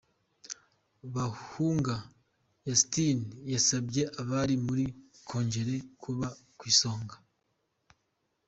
Bahunga Yusitini yasabye abari muri Kongere kuba kw’isonga